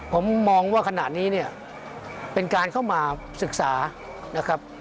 ผมมองว่าขณะนี้เนี่ยเป็นการเข้ามาศึกษานะครับ